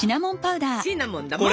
シナモンだもん！